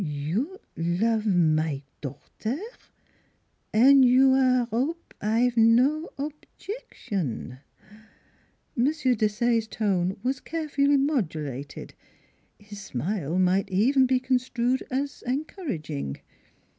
" You lo ove my daughter! ... An' you aire 'ope I've no objection?" M. Desaye's tone was carefully modulated; his smile might even be construed as encouraging.